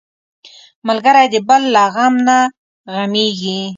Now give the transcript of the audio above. ملګری د بل له غم نه غمېږي